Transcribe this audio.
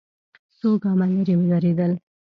څو ګامه ليرې ودرېدل.